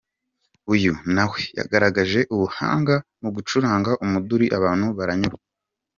Uyu nawe yagaragaje ubuhanga mu gucuranga umuduri abantu baranyurwa.